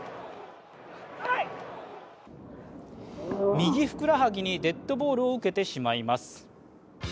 右ふくらはぎにデッドボールを受けてしまいます。